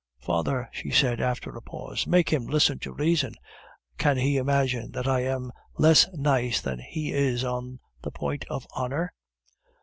Father," she said after a pause, "make him listen to reason. Can he imagine that I am less nice than he is on the point of honor?"